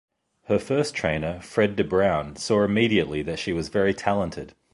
Her first trainer, Fred Debruyn, saw immediately that she was very talented.